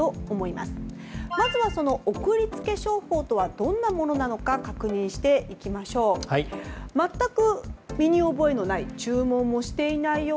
まずは、送り付け商法とはどんなものなのか確認していきましょう。